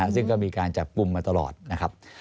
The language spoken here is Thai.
ซึ่งก็มีการจับกลุ่มมาตลอดนะครับ